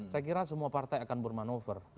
saya kira semua partai akan bermanuver